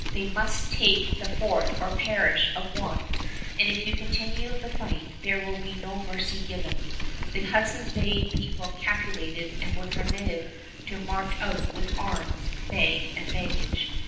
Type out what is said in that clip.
"They must take the fort or perish of want, and if you continue the fight there will be no mercy given." The Hudson's Bay people capitulated and were permitted to march out with arms, bag and baggage.